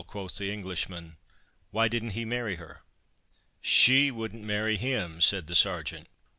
quoth the Englishman; "why didn't he marry her?" "She wouldn't marry him," said the Sergeant.